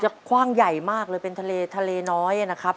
จะคว่างใหญ่มากเลยเป็นทะเลน้อยนะครับ